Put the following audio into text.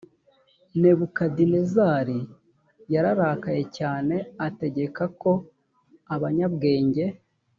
nebukadinezari yararakaye cyane ategeka ko abanyabwenge